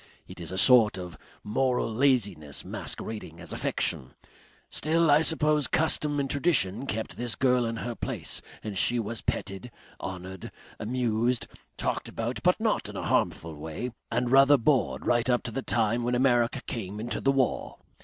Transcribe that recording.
It is a sort of moral laziness masquerading as affection.... Still I suppose custom and tradition kept this girl in her place and she was petted, honoured, amused, talked about but not in a harmful way, and rather bored right up to the time when America came into the war.